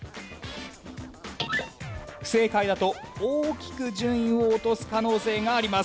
不正解だと大きく順位を落とす可能性があります。